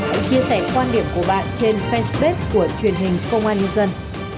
hãy chia sẻ quan điểm của bạn trên fanpage của truyền hình công an nhân dân